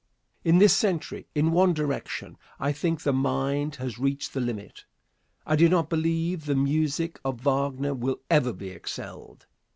In this century, in one direction, I think the mind has reached the limit. I do not believe the music of Wagner will ever be excelled.